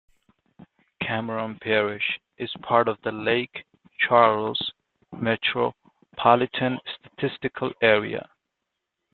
Cameron Parish is part of the Lake Charles, Metropolitan Statistical Area.